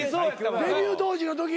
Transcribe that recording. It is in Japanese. デビュー当時のとき？